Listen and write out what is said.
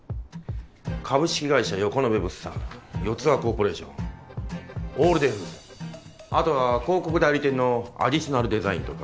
株式会社横延物産四和コーポレーションオールデイフーズ後は広告代理店のアディショナルデザインとか。